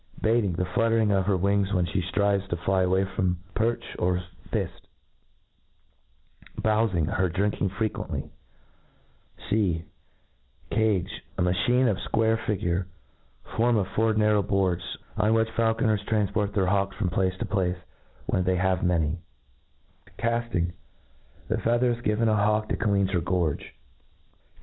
Beating ; the fluttering of her wings when ftie ftrives to fly away from perch or fift . teowfirigj her drinking frequently. C Cage J a machine of a fquare figuifc^ formed of four nafrow boards, on which faidconers tnmf port their hawks from place to place, when they have many Calling ; the feathers given a hawk to cleanfe her gorge Cafting 26o A GLOSSARY.